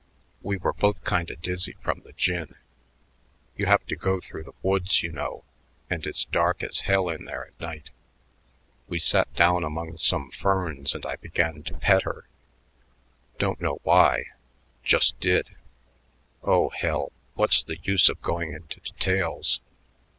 We were both kinda dizzy from the gin. You have to go through the woods, you know, and it's dark as hell in there at night.... We sat down among some ferns and I began to pet her. Don't know why just did.... Oh, hell! what's the use of going into details?